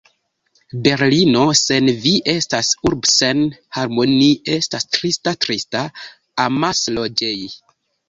Berlino sen vi estas urb' sen harmoni' estas trista, trista, amasloĝej'